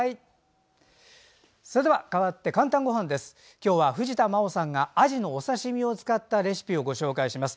今日は藤田真央さんがあじのお刺身を使ったレシピをご紹介します。